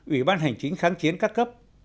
ủy ban hành chính kháng chiến các cấp